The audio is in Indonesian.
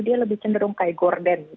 dia lebih cenderung kayak gorden